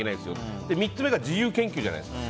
３つ目が自由研究じゃないですか。